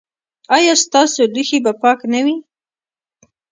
ایا ستاسو لوښي به پاک نه وي؟